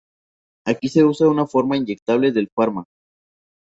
Aquí se usa una forma inyectable del fármaco.